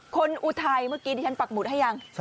อุทัยเมื่อกี้ที่ฉันปักหมุดให้ยัง